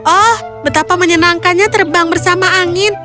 oh betapa menyenangkannya terbang bersama angin